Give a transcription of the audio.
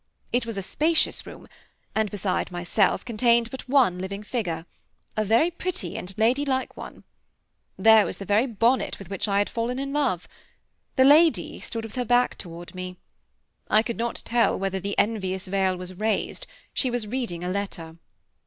It was a spacious room, and, beside myself, contained but one living figure a very pretty and lady like one. There was the very bonnet with which I had fallen in love. The lady stood with her back toward me. I could not tell whether the envious veil was raised; she was reading a letter.